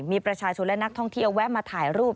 มีประชาชนและนักท่องเที่ยวแวะมาถ่ายรูป